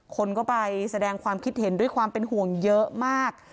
คนก็ไปแสดงความคิดเห็นด้วยความเป็นห่วงเยอะมาก